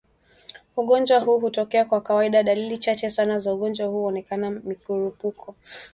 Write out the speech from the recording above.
ugonjwa huu hutokea kwa kawaida dalili chache sana za ugonjwa huu huonekana Mikurupuko